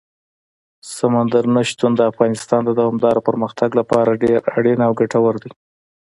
سمندر نه شتون د افغانستان د دوامداره پرمختګ لپاره ډېر اړین او ګټور دی.